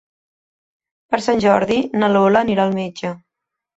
Per Sant Jordi na Lola anirà al metge.